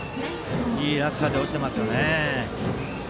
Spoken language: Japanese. いい落差で落ちていますね。